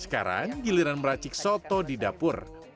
sekarang giliran meracik soto di dapur